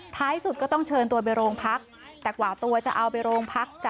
ท้ายสุดก็ต้องเชิญตัวไปโรงพักแต่กว่าตัวจะเอาไปโรงพัก